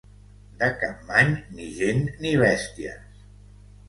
De Capmany, ni gent ni bèsties.